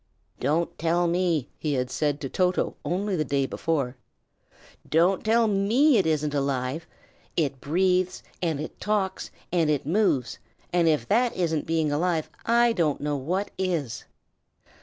"Don't tell me!" he had said to Toto, only the day before, "don't tell me it isn't alive! It breathes, and it talks, and it moves, and if that isn't being alive I don't know what is."